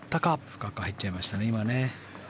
深く入っちゃいましたね。